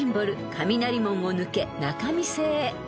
雷門を抜け仲見世へ］